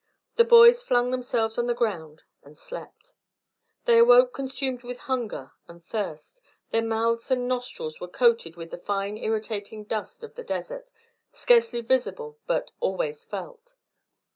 The boys flung themselves on the ground and slept. They awoke consumed with hunger and thirst. Their mouths and nostrils were coated with the fine irritating dust of the desert, scarcely visible but always felt.